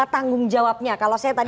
tanggung jawabnya kalau saya tadi